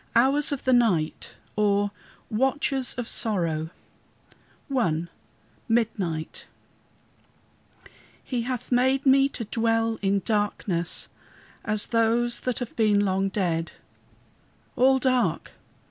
HOURS OF THE NIGHT OR WATCHES OF SORROW I MIDNIGHT "He hath made me to dwell in darkness as those that have been long dead." All dark!